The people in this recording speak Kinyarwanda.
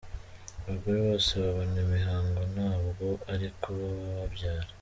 Abagore bose babona imihango ntabwo ariko baba babyara.